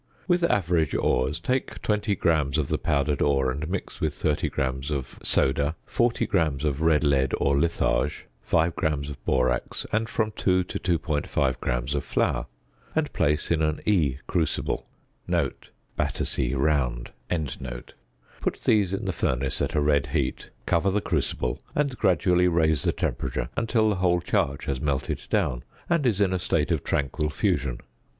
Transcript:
With average ores, take 20 grams of the powdered ore and mix with 30 grams of "soda," 40 grams of red lead or litharge, 5 grams of borax, and from 2 to 2.5 grams of flour, and place in an E crucible (Battersea round). Put these in the furnace at a red heat, cover the crucible, and gradually raise the temperature until the whole charge has melted down and is in a state of tranquil fusion.